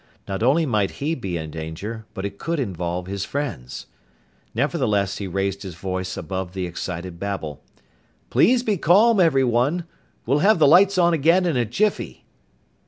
Not only might he be in danger, but it could involve his friends! Nevertheless, he raised his voice above the excited babble. "Please be calm, everyone! We'll have the lights on again in a jiffy!"